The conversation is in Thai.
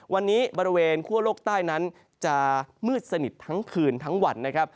วันนี้บริเวณคั่วโลกใต้นั้นจะมืดสนิททั้งคืนทั้งวันนะครับ